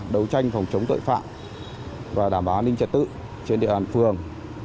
đấu tranh phòng chống tội phạm và đảm bảo an ninh trật tự trên địa bàn phường